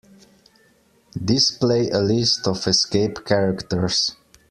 Display a list of escape characters.